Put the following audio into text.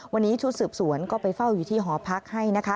วันนี้ชุดสืบสวนก็ไปเฝ้าอยู่ที่หอพักให้นะคะ